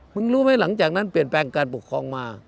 รู้ไหมหลังจากนั้นเปลี่ยนแปลงการปกครองมา